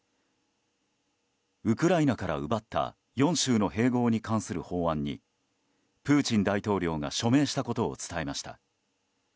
ウクライナから奪った４州の併合に関する法案にプーチン大統領が署名したことを伝えました。